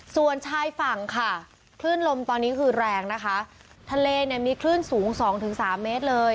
ส่วนชายฝั่งค่ะคลื่นลมตอนนี้คือแรงนะคะทะเลเนี่ยมีคลื่นสูงสองถึงสามเมตรเลย